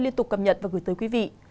liên tục cập nhật và gửi tới quý vị